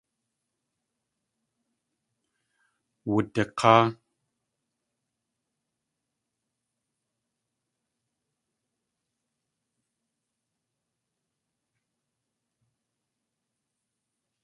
Wudik̲áa.